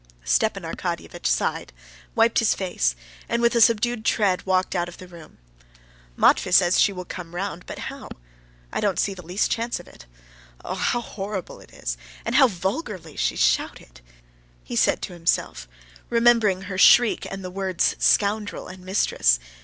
Stepan Arkadyevitch sighed, wiped his face, and with a subdued tread walked out of the room. "Matvey says she will come round; but how? I don't see the least chance of it. Ah, oh, how horrible it is! And how vulgarly she shouted," he said to himself, remembering her shriek and the words—"scoundrel" and "mistress."